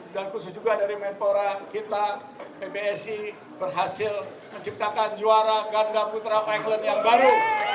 dan khusus juga dari mentora kita pbbc berhasil menciptakan juara ganda putra all england yang baru